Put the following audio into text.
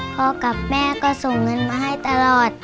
กับแม่ก็ส่งเงินมาให้ตลอด